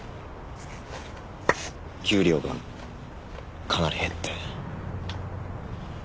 給料がかなり減って。